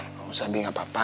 nggak usah bingat papa